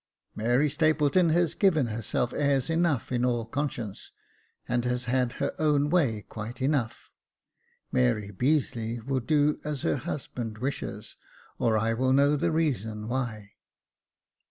*' Mary Stapleton has given herself airs enough in all conscience, and has had her own way quite enough. Mary Beazeley will do as her husband wishes, or I will know the reason why."